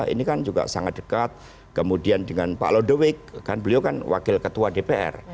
ini kan juga sangat dekat kemudian dengan pak lodewik kan beliau kan wakil ketua dpr